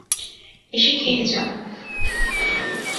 এসে খেয়ে যাও।